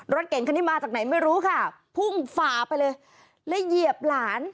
รถเก่งคันนี้มาจากไหนไม่รู้ค่ะพุ่งฝ่าไปเลยเลยเหยียบหลาน